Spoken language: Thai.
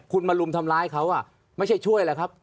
คุณมารุมทำร้ายเขาไม่ใช่ช่วยแหละครับ